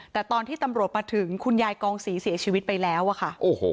แต่ตอนที่ตำรวจมาถึงคุณยายกองศรีเสียชีวิตไปแล้วอะค่ะ